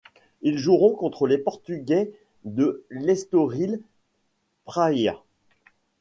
Il joueront contre les portugais de l'Estoril-Praia.